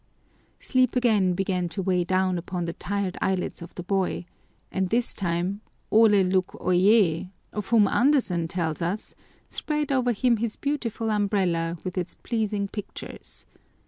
Sleep again began to weigh down upon the tired eyelids of the boy, and this time Ole Luk Oie, of whom Andersen tells us, spread over him his beautiful umbrella with its pleasing pictures.